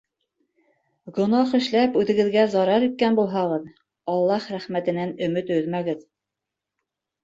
Гонаһ эшләп үҙегеҙгә зарар иткән булһағыҙ, Аллаһ рәхмәтенән өмөт өҙмәгеҙ.